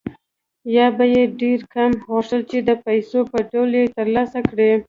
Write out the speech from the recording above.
یا به یې ډېر کم غوښتل چې د پیسو په ډول یې ترلاسه کړي